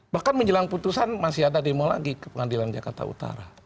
bahkan menjelang putusan masih ada demo lagi ke pengadilan jakarta utara